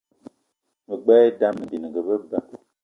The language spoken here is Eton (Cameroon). Me gbelé idam bininga be ba.